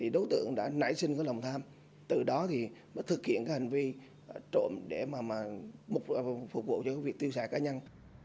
đối tượng đã nảy sinh lòng tham từ đó mới thực hiện hành vi trộm để phục vụ cho việc tiêu xài cá nhân